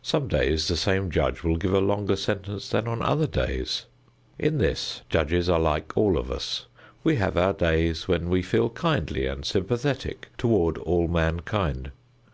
Some days the same judge will give a longer sentence than on other days. In this judges are like all of us. We have our days when we feel kindly and sympathetic toward all mankind.